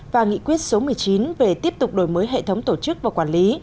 và nghị quyết số một mươi chín về tiếp tục đổi mới hệ thống tổ chức và quản lý